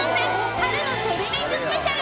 春のトリミングスペシャル。